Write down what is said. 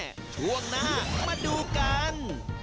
ช่วงหน้ามาดูกัน